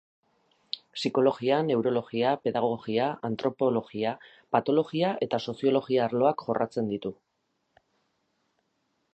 Psikologia, neurologia, pedagogia, antropologia, patologia eta soziologia arloak jorratzen ditu.